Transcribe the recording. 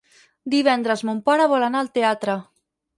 Divendres mon pare vol anar al teatre.